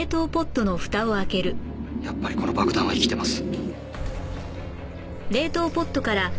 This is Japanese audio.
やっぱりこの爆弾は生きてます。